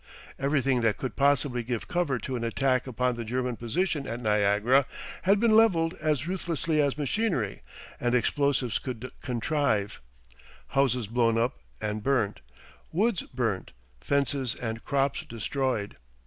Everything that could possibly give cover to an attack upon the German position at Niagara had been levelled as ruthlessly as machinery and explosives could contrive; houses blown up and burnt, woods burnt, fences and crops destroyed.